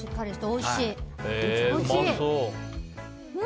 おいしい！